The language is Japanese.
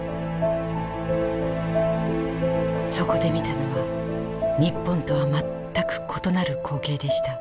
そこで見たのは日本とは全く異なる光景でした。